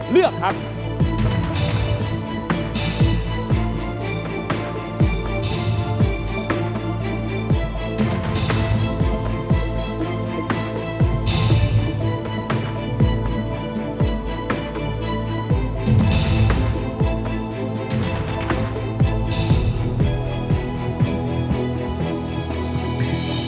เลือกครับ